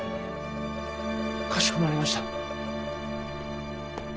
かしこまりました。